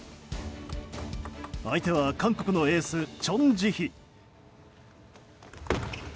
相手は韓国のエースチョン・ジヒ。